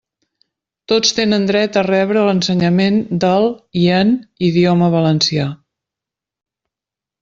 Tots tenen dret a rebre l'ensenyament del, i en, idioma valencià.